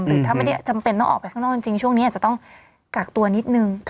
หรือถ้าไม่ได้จำเป็นต้องออกไปข้างนอกจริงช่วงนี้อาจจะต้องกักตัวนิดนึง